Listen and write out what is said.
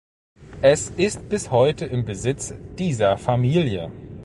Es ist bis heute im Besitz dieser Familie.